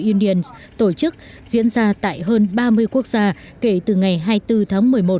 unions tổ chức diễn ra tại hơn ba mươi quốc gia kể từ ngày hai mươi bốn tháng một mươi một